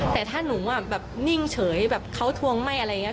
แต่ถ้าหนูนิ่งเฉยเขาทวงไหม้อะไรอย่างนี้